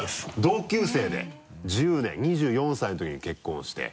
同級生で１０年２４歳の時に結婚して。